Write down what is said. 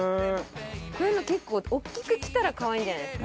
こういうの結構、大きく着たら可愛いんじゃないですか？